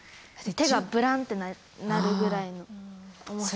手がぶらんってなるぐらいの重さ。